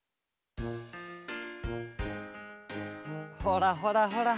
ほらほらほら。